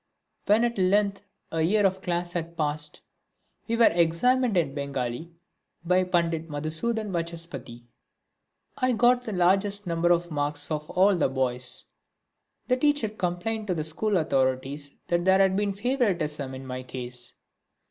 When at length a year of that class had passed, we were examined in Bengali by Pandit Madhusudan Vachaspati. I got the largest number of marks of all the boys. The teacher complained to the school authorities that there had been favouritism in my case.